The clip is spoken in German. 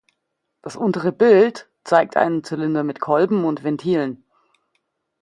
Das untere Bild zeigt einen Zylinder mit Kolben und Ventilen.